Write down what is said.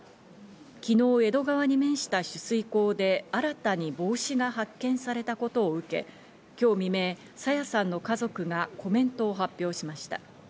昨日、江戸川に面した取水口で新たに帽子が発見されたことを受け、今日未明、朝芽さんの家族がコメントを発表しました。